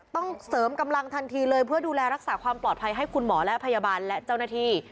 ต้องเสริมกำลังทันทีเลยเพื่อดูแลรักษาความปลอดภัยให้คุณหมอและพยาบาลและเจ้าหน้าที่